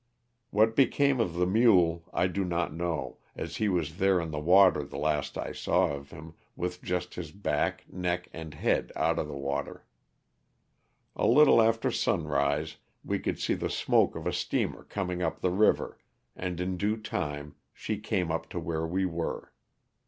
What became of the mule I do not know, as he was there in the water the last I saw of him with just his back, neck and head out of water. A little after sunrise we could see the smoke of a steamer coming up the river, and in due time she came up to where we were.